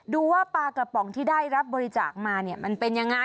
ดูว่าปลากระป๋องที่ได้รับบริจาคมาเนี่ยมันเป็นยังไง